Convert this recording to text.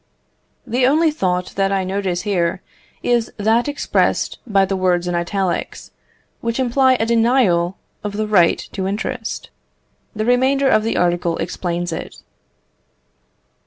The only thought that I notice here, is that expressed by the words in italics, which imply a denial of the right to interest. The remainder of the article explains it.